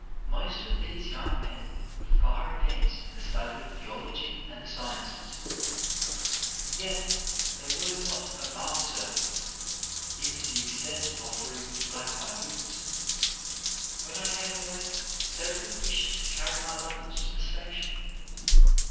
Most of these young men were far advanced in the study of theology and the sciences, and yet they were not above serving me, even to the extent of offering to black my boots. When I came away several wished to carry my luggage to the station.